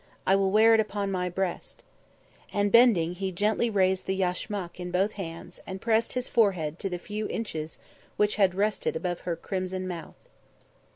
I will wear it upon my breast." And, bending, he gently raised the yashmak in both hands and pressed his forehead to the few inches which had rested above her crimson mouth.